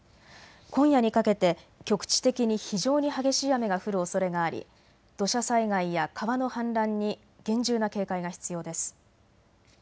今夜にかけて局地的に非常に激しい雨が降るおそれがあり土砂災害や川の氾濫に厳重な警戒が必要です。